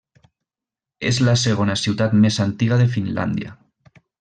És la segona ciutat més antiga de Finlàndia.